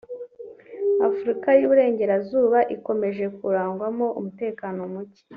Afurika y’Uburengerazuba ikomeje kurangwamo umutekano muke